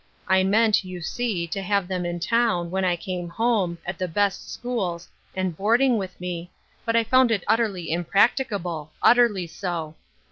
I meant, you see, to have them in town, when I came home, at the best schools, and boarding with me, but I found it utterly impracticable — utterly so.